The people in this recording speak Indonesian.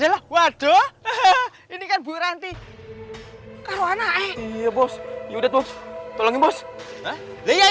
kelamaan kamu keburu buru makan manisan orang itu eh eh eh eh eh eh eh eh eh eh eh eh eh eh eh